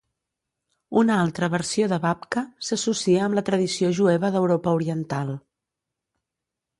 Una altra versió de Babka s'associa amb la tradició jueva d'Europa Oriental.